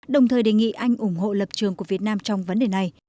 đồng thời đề nghị anh ủng hộ lập trường của việt nam trong vấn đề này